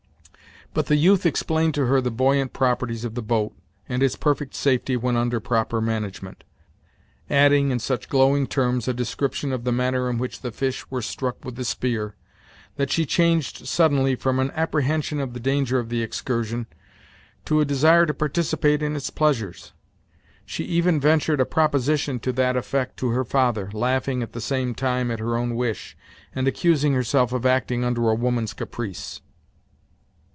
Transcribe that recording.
But the youth explained to her the buoyant properties of the boat, and its perfect safety when under proper management; adding, in such glowing terms, a description of the manner in which the fish were struck with the spear, that she changed suddenly, from an apprehension of the danger of the excursion, to a desire to participate in its pleasures. She even ventured a proposition to that effect to her father, laughing at the same time at her own wish, and accusing herself of acting under a woman's caprice.